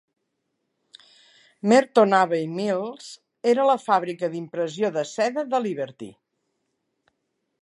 Merton Abbey Mills era la fàbrica d'impressió de seda de Liberty.